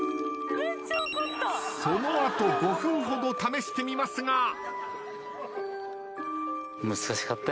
その後５分ほど試してみますが。